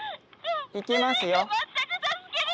行きますよ。